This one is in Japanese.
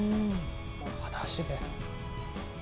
はだしで。